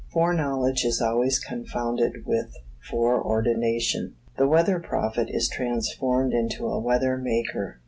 Foreknowledge is always confounded with foreordination. The weather prophet is transformed into a weathermaker.